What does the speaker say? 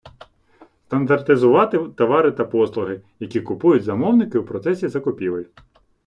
Стандартизувати товари та послуги, які купують замовники у процесі закупівель.